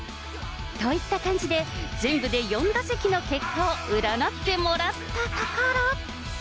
といった感じで、全部で４打席の結果を占ってもらったところ。